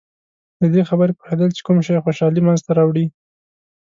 د دې خبرې پوهېدل چې کوم شی خوشحالي منځته راوړي.